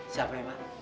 siapa ini pak